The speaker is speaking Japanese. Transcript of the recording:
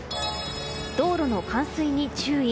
道路の冠水に注意。